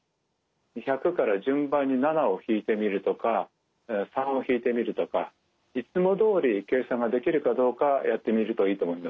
１００から順番に７をひいてみるとか３をひいてみるとかいつもどおり計算ができるかどうかやってみるといいと思いますね。